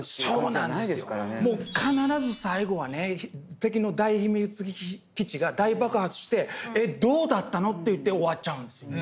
必ず最後はね敵の大秘密基地が大爆発してえっどうだったの⁉っていって終わっちゃうんですよ。